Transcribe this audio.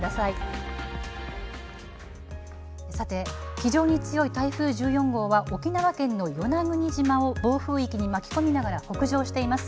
非常に強い台風１４号は沖縄県の与那国島を暴風域に巻き込みながら北上しています。